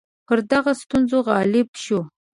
پر دغه ستونزه غالب شو.